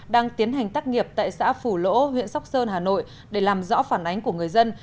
đang tiến hành tác nghiệp tại xã phủ lỗ huyện sóc sơn hà nội để làm rõ phản ánh của người dân